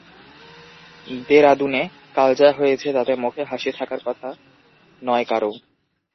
দেরাদুনে কাল যা হয়েছে, তাতে মুখে হাসি থাকার কথা নয় কারও।